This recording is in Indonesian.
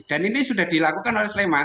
dan ini sudah dilakukan oleh sleman